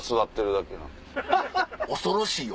恐ろしいよ。